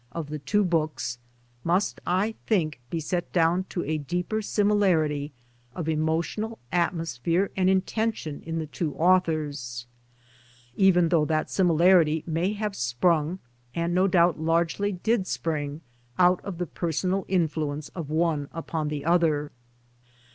of the two books, must I think be set down to a deeper similarity of emotional atmosphere and intension in the two authors — even though that similarity may have sprung and no doubt largely did spring out of the personal influence of one upon the other.